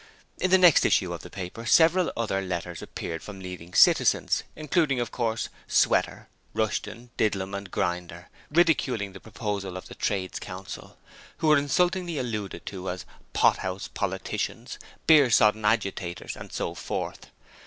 In the next issue of the paper several other letters appeared from leading citizens, including, of course, Sweater, Rushton, Didlum and Grinder, ridiculing the proposal of the Trades Council, who were insultingly alluded to as 'pothouse politicians', 'beer sodden agitators' and so forth.